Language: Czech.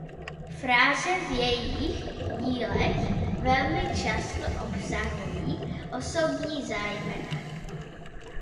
Fráze v jejích dílech velmi často obsahují osobní zájmena.